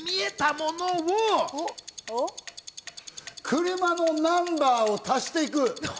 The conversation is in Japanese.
車のナンバーを足していく。